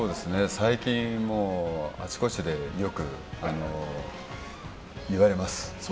最近、あちこちでよく言われます。